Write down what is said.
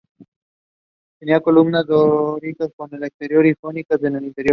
Tenía columnas dóricas en el exterior y jónicas en el interior.